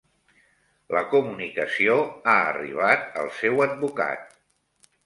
La comunicació ha arribat al seu advocat